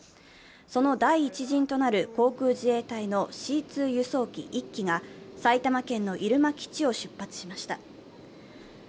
その第１陣となる航空自衛隊のＣ−２輸送機１機が埼玉県の入間基地を出発しました。